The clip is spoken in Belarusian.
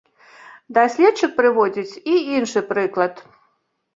Даследчык прыводзіць і іншы прыклад.